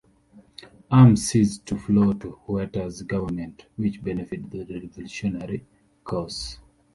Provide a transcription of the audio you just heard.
Arms ceased to flow to Huerta's government, which benefited the revolutionary cause.